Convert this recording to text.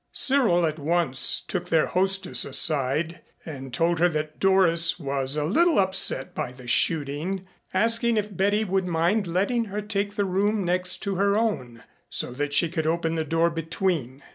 Cyril at once took their hostess aside and told her that Doris was a little upset by the shooting, asking if Betty would mind letting her take the room next to her own, so that she could open the door between.